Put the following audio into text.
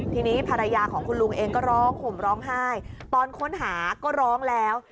ทีนี้ภรรยาของคุณลุงเองก็ร้องห่มร้องไห้ตอนค้นหาก็ร้องแล้ว